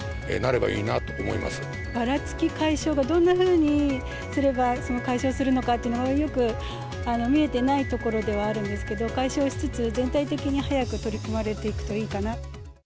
ばらつき解消がどんなふうにすれば、解消するのかというのが、よく見えてないところではあるんですけど、解消しつつ、全体的に早く取り組まれていくといいかな。